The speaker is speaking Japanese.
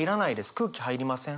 空気入りません